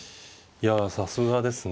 いやさすがですね。